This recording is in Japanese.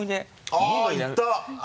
あっ行った！